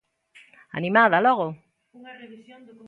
¿Animada logo?